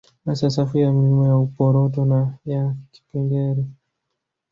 Hasa safu za milima ya Uporoto na ya Kipengere